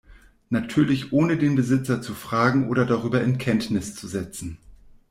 Natürlich ohne den Besitzer zu fragen oder darüber in Kenntnis zu setzen.